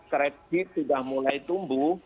kredit sudah mulai tumbuh